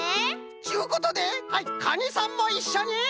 ちゅうことではいカニさんもいっしょに。